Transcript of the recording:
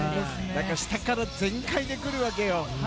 下から全開で来るわけよ。